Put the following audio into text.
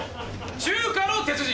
中華の鉄人。